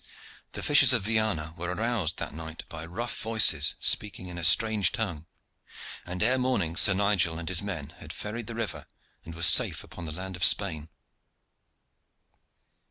The fishers of Viana were aroused that night by rough voices speaking in a strange tongue, and ere morning Sir Nigel and his men had ferried the river and were safe upon the land of Spain.